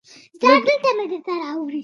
لږ ور نږدې شوم سلام مې واچاوه.